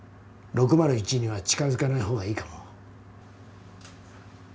６０１には近づかないほうがいいかも。